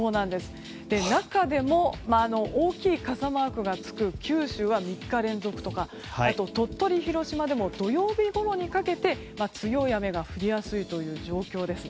中でも大きい傘マークがつく九州は３日連続とか鳥取、広島でも土曜日ごろにかけて強い雨が降りやすい状況です。